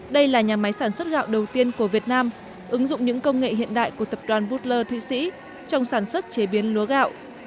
đây là nhà máy sản xuất gạo đầu tiên của việt nam ứng dụng những công nghệ hiện đại của tập đoàn boodler thụy sĩ trong sản xuất chế biến lúa gạo